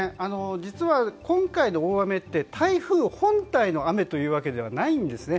実は、今回の大雨って台風本体の雨というわけではないんですね。